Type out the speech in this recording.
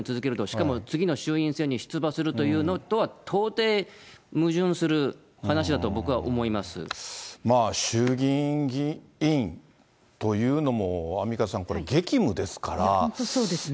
しかも次の衆院選に出馬するというのとは、到底矛盾する話だと、まあ、衆議院議員というのも、アンミカさん、本当そうですね。